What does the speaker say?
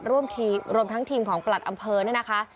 รวมทั้งทีมของประหลัดอำเภอเนี่ยนะคะ